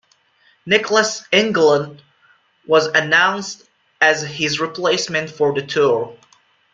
Niklas Engelin was announced as his replacement for the tour.